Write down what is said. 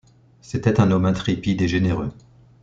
C’était un homme intrépide et généreux.